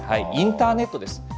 インターネットです。